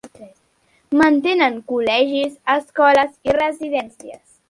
Mantenen col·legis, escoles i residències.